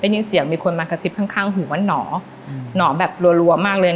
ได้ยินเสียงมีคนมากระทิบข้างข้างหัวหน่ออืมหน่อแบบรัวรัวมากเลย